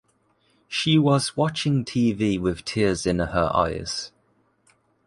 She was watching TV with tears in her eyes.